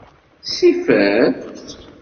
Sifer.